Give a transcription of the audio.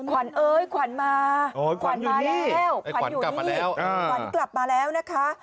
ขวัญเอ๊ยขวัญมาขวัญมาแล้วขวัญกลับมาแล้วนะคะ